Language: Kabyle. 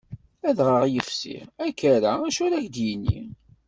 Adɣaɣ ifsi, akerra acu ar ad d-yini.